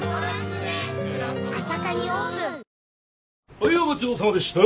はいお待ちどおさまでした。